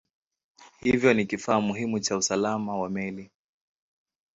Hivyo ni kifaa muhimu cha usalama wa meli.